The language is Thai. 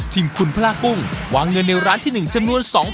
ทีมคุณพลากุ้งวางเงินในร้านที่๑จำนวน๒๐๐๐